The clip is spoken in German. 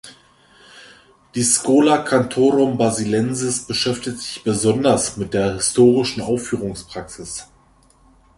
Die Schola Cantorum Basiliensis beschäftigt sich besonders mit der historischen Aufführungspraxis.